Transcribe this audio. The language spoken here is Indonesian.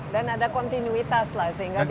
dan ada kontinuitas lah sehingga tidak